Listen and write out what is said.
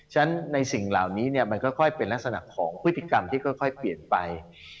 ฉะนั้นในสิ่งเหล่านี้มันค่อยเป็นลักษณะของพฤติกรรมที่ค่อยเปลี่ยนไป